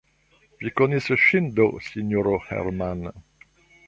Vi konis ŝin do, sinjoro Hermann!